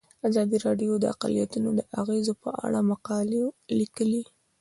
ازادي راډیو د اقلیتونه د اغیزو په اړه مقالو لیکلي.